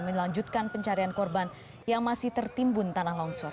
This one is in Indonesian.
melanjutkan pencarian korban yang masih tertimbun tanah longsor